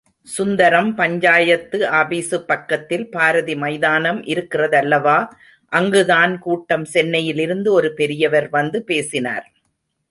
சுந்தரம் பஞ்சாயத்து ஆபீசுப் பக்கத்தில் பாரதி மைதானம் இருக்கிறதல்லவா, அங்குதான் கூட்டம், சென்னையிலிருந்து ஒரு பெரியவர் வந்து பேசினார்.